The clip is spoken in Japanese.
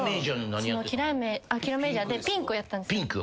『キラメイジャー』でピンクをやってたんです。